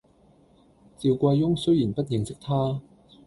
趙貴翁雖然不認識他，